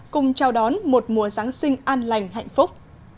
cùng chào đón một mùa giáng sinh an lành hạnh phúc